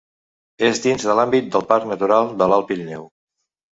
És dins de l'àmbit del Parc Natural de l'Alt Pirineu.